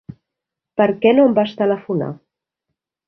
Per què no em vas telefonar?